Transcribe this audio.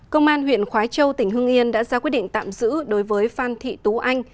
công an huyện khói châu tỉnh hương yên đã ra quyết định tạm giữ đối với phan thị tú anh